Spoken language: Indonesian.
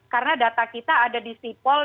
karena data kita ada di sipol